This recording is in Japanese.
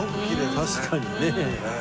確かにね。